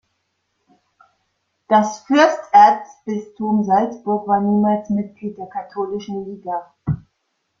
Das Fürsterzbistum Salzburg war niemals Mitglied der Katholischen Liga.